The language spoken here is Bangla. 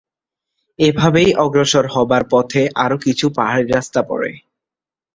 এভাবেই অগ্রসর হবার পথে আরো কিছু পাহাড়ী রাস্তা পড়ে।